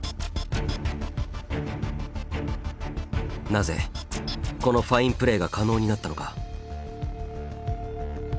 なぜこのファインプレーが可能になったのか。